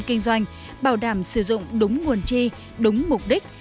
kinh doanh bảo đảm sử dụng đúng nguồn chi đúng mục đích